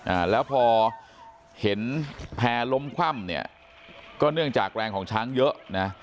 อ่าแล้วพอเห็นแพร่ล้มคว่ำเนี่ยก็เนื่องจากแรงของช้างเยอะนะ